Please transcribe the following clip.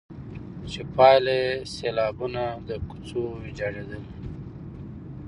چي پايله يې سيلابونه، د کوڅو ويجاړېدل،